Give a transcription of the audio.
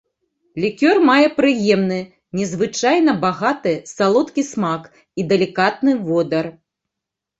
Лікёр мае прыемны, незвычайна багаты, салодкі смак і далікатны водар.